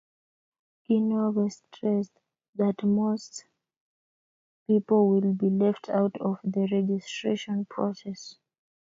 Kinobe stressed that most people will be left out of the registration process.